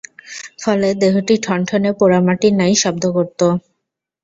ফলে দেহটি ঠনঠনে পোড়া মাটির ন্যায় শব্দ করত।